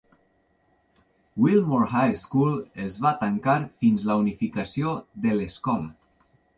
Wilmore High School es va tancar fins la unificació de l"escola.